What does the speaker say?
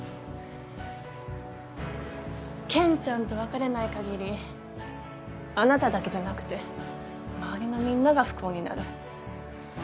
健ちゃんと別れないかぎりあなただけじゃなくて周りのみんなが不幸になる。